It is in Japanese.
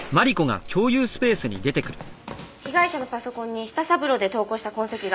被害者のパソコンに舌三郎で投稿した痕跡が。